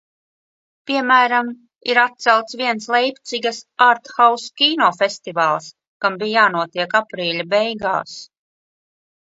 Piemēram, ir atcelts viens Leipcigas arthouse kino festivāls, kam bija jānotiek aprīļa beigās.